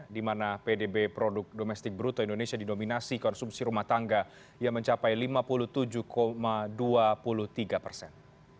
di mana pdb produk domestik bruto indonesia didominasi konsumsi rumah tangga yang mencapai lima puluh tujuh dua puluh tiga persen